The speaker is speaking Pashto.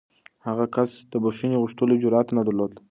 هغه کس د بښنې غوښتلو جرات نه درلود.